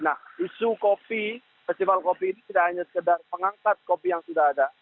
nah isu kopi festival kopi ini tidak hanya sekedar mengangkat kopi yang sudah ada